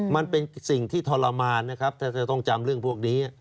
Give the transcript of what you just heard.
มันเป็นสิ่งที่ทรมานนะครับถ้าจะต้องจำเรื่องพวกนี้